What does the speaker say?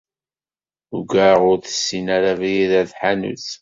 Ugaɣ ur tessin ara abrid ar tḥanut.